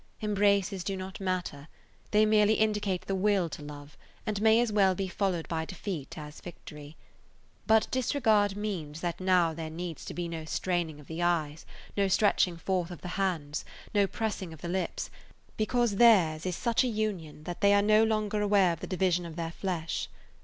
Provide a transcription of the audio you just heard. Embraces do not matter; they merely indicate the will to love, and may as well be followed by defeat as victory. But disregard means that now there needs to be no straining of the eyes, no stretching forth of the hands, no pressing of the lips, because theirs is such a union that they are no longer aware of the division of their flesh.